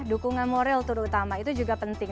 dukungan moral terutama itu juga penting